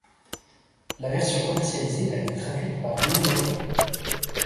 La version commercialisée a été traduite par Léon Bocquet.